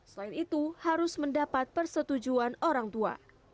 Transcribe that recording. selain itu harus mendapat persetujuan orang tua